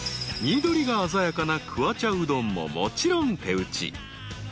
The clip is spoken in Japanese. ［緑が鮮やかな桑茶うどんももちろん手打ち］